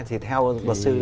thì theo luật sư